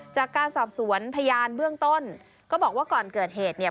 จากการสอบสวนพยานเบื้องต้นก็บอกว่าก่อนเกิดเหตุเนี่ย